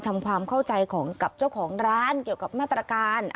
ทำความเข้าใจของกับเจ้าของร้านเกี่ยวกับมาตรการ